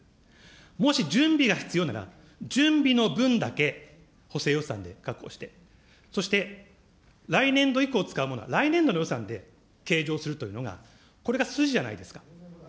もし準備が必要なら、準備の分だけ補正予算で確保して、そして来年度以降使うものは、来年度の予算で計上するというのが、これが筋じゃないですか。